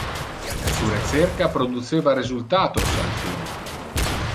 Su recerca produceva resultatos al fin.